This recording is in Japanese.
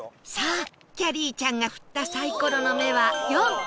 あきゃりーちゃんが振ったサイコロの目は「４」